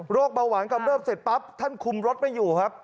เบาหวานกำเริบเสร็จปั๊บท่านคุมรถไม่อยู่ครับ